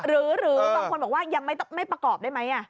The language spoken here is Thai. หรือบางคนบอกว่ายังไม่ประกอบได้ไหม